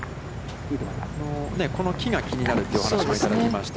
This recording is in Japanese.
この木が気になるというお話がありましたし。